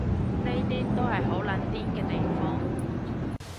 呢啲都係好撚癲嘅地方